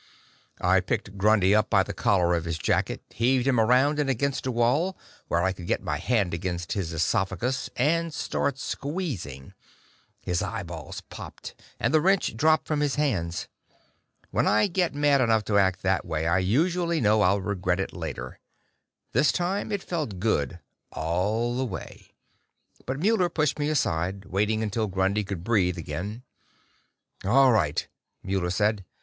I picked Grundy up by the collar of his jacket, heaved him around and against a wall, where I could get my hand against his esophagus and start squeezing. His eyeballs popped, and the wrench dropped from his hands. When I get mad enough to act that way, I usually know I'll regret it later. This time it felt good, all the way. But Muller pushed me aside, waiting until Grundy could breathe again. "All right," Muller said.